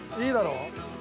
いいだろ？